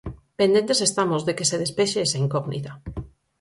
Pendentes estamos de que se despexe esa incógnita.